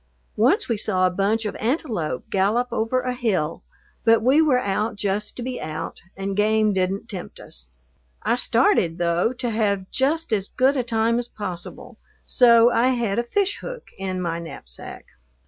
Once we saw a bunch of antelope gallop over a hill, but we were out just to be out, and game didn't tempt us. I started, though, to have just as good a time as possible, so I had a fish hook in my knapsack.